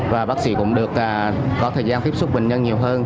và bác sĩ cũng được có thời gian tiếp xúc bệnh nhân nhiều hơn